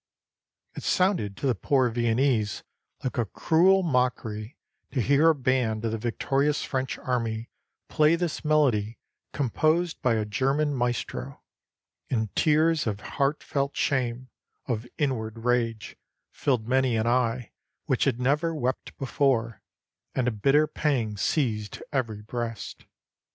It sounded to the poor Viennese like a cruel mockery to hear a band of the victorious French army play this melody composed by a German maestro, and tears of heartfelt shame, of inward rage, filled many an eye which had never wept before, and a bitter pang seized every breast.